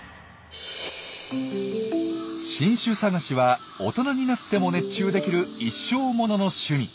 新種探しは大人になっても熱中できる一生ものの趣味。